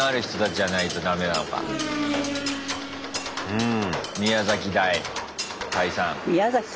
うん。